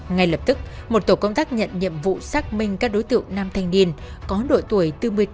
ngay lập tức một tổ công tác nhận nhiệm vụ xác minh các đối tượng nam thanh niên có đội tuổi bốn mươi tám hai mươi hai